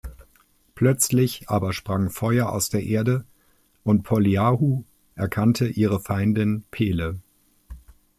Plötzlich aber sprang Feuer aus der Erde und Poliʻahu erkannte ihre Feindin Pele.